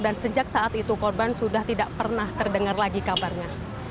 dan sejak saat itu korban sudah tidak pernah terdengar lagi kabarnya